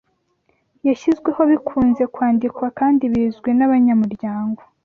yashyizweho bikunze kwandikwa kandi bizwi nabanyamuryango